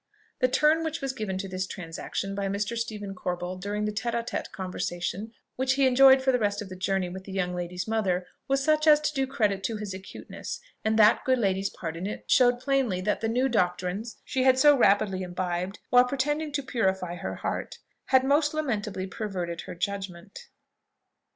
The turn which was given to this transaction by Mr. Stephen Corbold during the tête à tête conversation he enjoyed for the rest of the journey with the young lady's mother was such as to do credit to his acuteness; and that good lady's part in it showed plainly that the new doctrines she had so rapidly imbibed, while pretending to purify her heart, had most lamentably perverted her judgment.